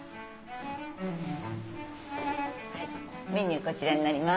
メニューこちらになります。